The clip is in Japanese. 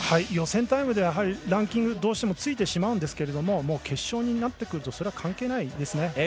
予選タイムではランキングどうしてもついてしまうんですけど決勝になってくるとそれは関係ないですね。